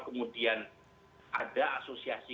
kemudian ada asosiasi